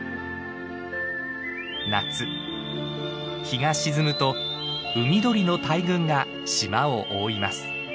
夏日が沈むと海鳥の大群が島を覆います。